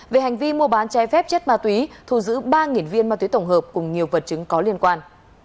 về hành vi mua bán trái phép chất ma túy thu giữ ba viên ma túy tổng hợp cùng nhiều vật chứng có liên quan